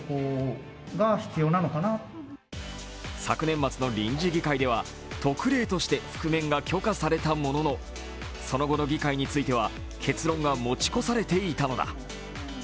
昨年末の臨時議会では特例として覆面が許可されたもののその後の議会については結論が持ち越されていたのだ。